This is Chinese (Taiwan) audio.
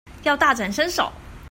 要大展身手